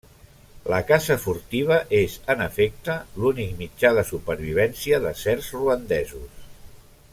La caça furtiva és en efecte l'únic mitjà de supervivència de certs ruandesos.